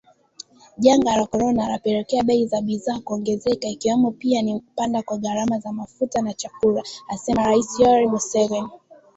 "Janga la Korona lapelekea bei za bidhaa kuongezeka ikiwemo pia ni kupanda kwa gharama za mafuta na chakula" , asema Rais Yoweri Museveni